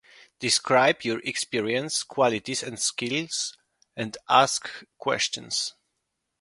Describe your experience, qualities and skills and ask questions.